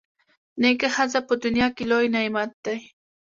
نېکه ښځه په دنیا کي لوی نعمت دی.